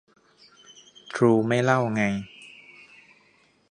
ทรูไม่เล่าไง